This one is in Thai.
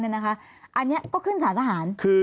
อันนี้ก็ขึ้นสารทหาร